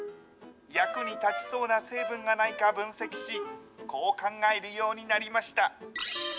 役に立ちそうな成分がないか分析し、こう考えるようになりました。